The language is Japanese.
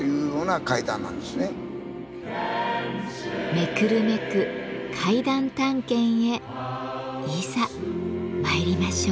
めくるめく階段探検へいざ参りましょう！